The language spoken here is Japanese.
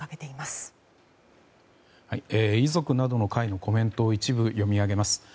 ご遺族などの会のコメントを一部読み上げます。